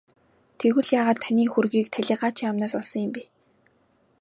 Тэгвэл яагаад таны хөрөгийг талийгаачийн амнаас олсон юм бэ?